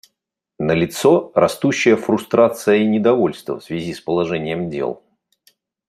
Налицо растущая фрустрация и недовольство в связи с положением дел.